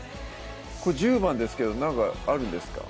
これ１０番ですけど何かあるんですか？